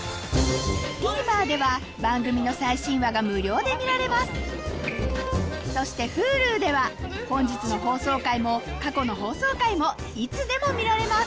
ＴＶｅｒでは番組の最新話が無料で見られますそしてＨｕｌｕでは本日の放送回も過去の放送回もいつでも見られます